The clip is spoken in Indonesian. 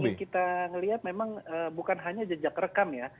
tapi kita melihat memang bukan hanya jejak rekam ya